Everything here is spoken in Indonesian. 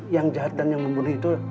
yang jahat dan yang membunuh itu